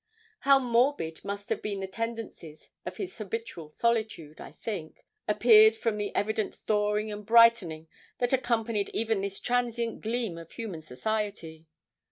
How morbid must have been the tendencies of his habitual solitude, I think, appeared from the evident thawing and brightening that accompanied even this transient gleam of human society.